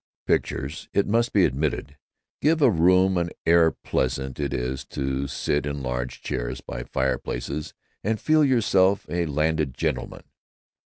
Pictures, it must be admitted, give a room an air; pleasant it is to sit in large chairs by fireplaces and feel yourself a landed gentleman.